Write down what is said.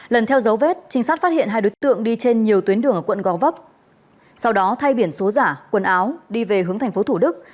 lần theo dấu vết trinh sát phát hiện hai đối tượng đi trên nhiều tuyến đường ở quận gò vấp sau đó thay biển số giả quần áo đi về hướng tp thủ đức